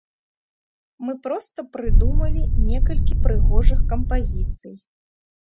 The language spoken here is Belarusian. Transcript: Мы проста прыдумалі некалькі прыгожых кампазіцый.